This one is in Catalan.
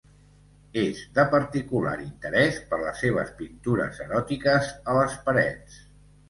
És de particular interès per les seves pintures eròtiques a les parets.